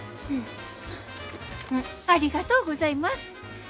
ありがとうございます。